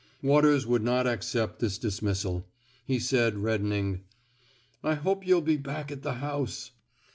Waters would not accept this dismissal. He said, reddening: I hope yuh'U be back at the house."